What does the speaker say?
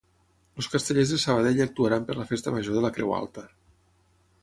Els Castellers de Sabadell actuaran per la Festa Major de la Creu Alta